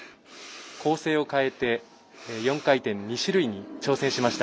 構成を変えて４回転２種類に挑戦しました。